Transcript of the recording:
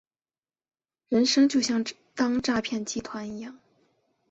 人生就像当诈骗集团一样